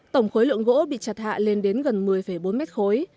tổng khối lượng gỗ bị chặt hạ lên đến gần một mươi bốn mét khối